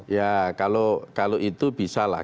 ya kalau itu bisa lah